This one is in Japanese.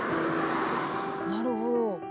なるほど。